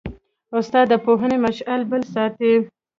استاد د پوهنې مشعل بل ساتي.